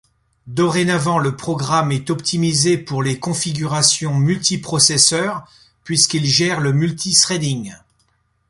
Dorénavant, le programme est optimisé pour les configurations multi-processeurs puisqu'il gère le multi-threading.